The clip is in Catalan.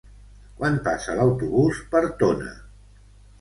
Quan passa l'autobús per Tona?